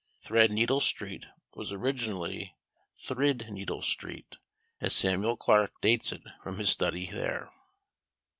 Thread needle street was originally Thrid needle street, as Samuel Clarke dates it from his study there.